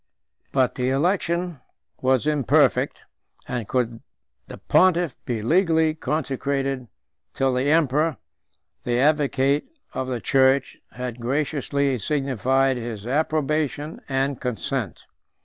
But the election was imperfect; nor could the pontiff be legally consecrated till the emperor, the advocate of the church, had graciously signified his approbation and consent.